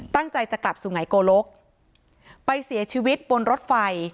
ตั้งใจจะกลับสุไงโกลกไปเสียชีวิตบนรถไฟ